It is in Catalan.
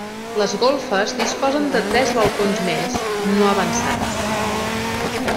Les golfes disposen de tres balcons més, no avançats.